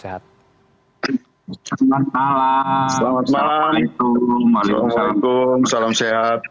selamat malam assalamualaikum assalamualaikum salam sehat